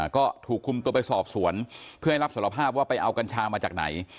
ก็ถูกคุมตัวไปสอบสวนเพื่อให้รับสารภาพว่าไปเอากัญชามาจากไหน